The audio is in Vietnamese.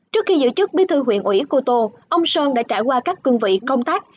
trước khi giữ chức bí thư huyện ủy cô tô ông sơn đã trải qua các cương vị công tác